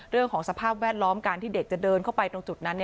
เรื่องของสภาพแวดล้อมการที่เด็กจะเดินเข้าไปตรงจุดนั้น